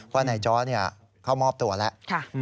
ว่านายจอร์ดเขามอบตัวแล้ว